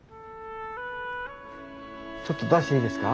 ちょっと出していいですか？